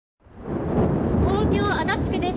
東京・足立区です。